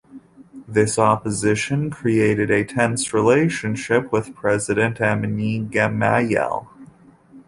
This opposition created a tense relationship with President Amine Gemayel.